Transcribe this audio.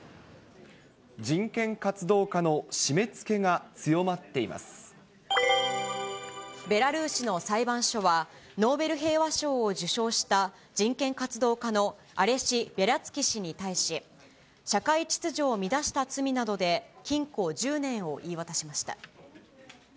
人権活動家の締めつけが強まベラルーシの裁判所は、ノーベル平和賞を受賞した人権活動家のアレシ・ビャリャツキ氏に対し、社会秩序を乱した罪などで禁錮１０年を言い渡しました。